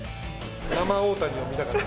生大谷を見たかった。